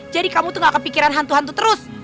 jadi kamu tuh gak kepikiran hantu hantu terus